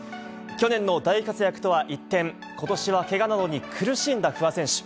去年の大活躍とは一転、ことしはケガなどに苦しんだ不破選手。